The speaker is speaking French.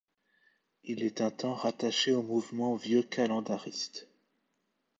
Il est un temps rattaché au mouvement vieux-calendariste.